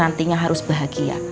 nantinya harus bahagia